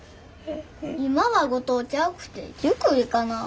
今は五島ちゃうくて塾行かな。